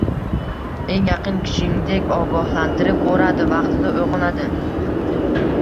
eng yaqin kishingdek ogohlantirib boradi, vaqtida uyg’otadi…